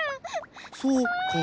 そうか。